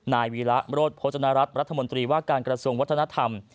นายวีระโรธโภจนรัฐรัฐรัฐมนตรีว่าการกระทรวงวัฒนธรรม